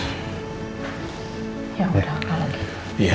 ya udah aku lagi